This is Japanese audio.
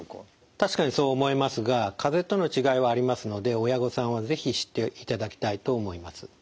確かにそう思いますがかぜとの違いはありますので親御さんは是非知っていただきたいと思います。